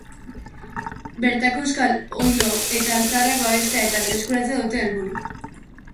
Bertako euskal oilo eta antzarak babestea eta berreskuratzea dute helburu.